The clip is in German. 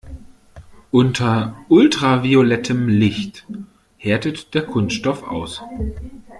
Unter ultraviolettem Licht härtet der Kunststoff aus.